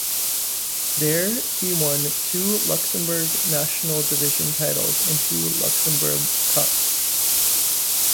There he won two Luxembourg National Division titles and two Luxembourg Cups.